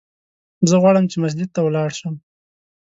زه غواړم چې مسجد ته ولاړ سم!